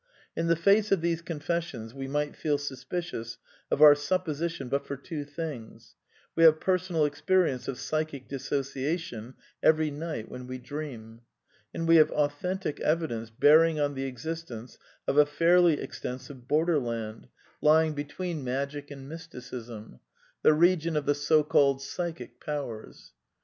In the face of these confessions we might feel suspicious of our supposition but for two things: we have personal experience of psychic " dissociation " every night when we dream ; and we have authentic evidence bearing on the existence of a fairly extensive borderland, lying between THE NEW MYSTICISM 261 •H Magic and Mysticism — the region of the so called " psychic powers."